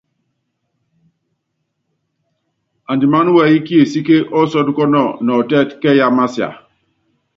Andimáná wɛyí kiesíke ɔ́sɔ́tukɔ́nɔ nɔɔtɛ́t kɛ́yí ámasia.